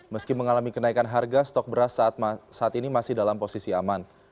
meski mengalami kenaikan harga stok beras saat ini masih dalam posisi aman